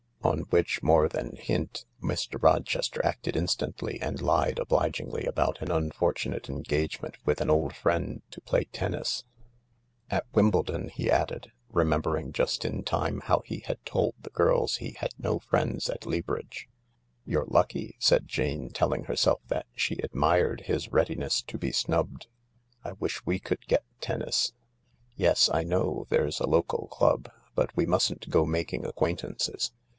On which more than hint Mr. Rochester acted instantly, and lied obligingly about an unfortunate engagement with an old friend to play tennis. 116 THE LARK "At Wimbledon," he added, remembering just in time how he had told the girls he had no friends at Leabridge. " You're lucky," said Jane, telling herself that she admired his readiness to be snubbed. " I wish we could get tennis. Yes, I know there's a local club, but we mustn't go making acquaintances.